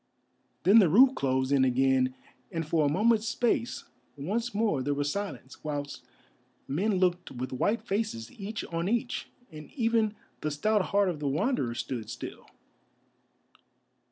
Then the roof closed in again, and for a moment's space once more there was silence, whilst men looked with white faces, each on each, and even the stout heart of the Wanderer stood still.